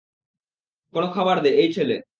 কোনো খাবার দে, এই ছেলে।